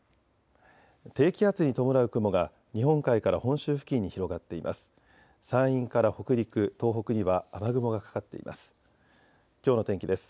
低気圧に伴う雲が日本海から本州付近に広がっています。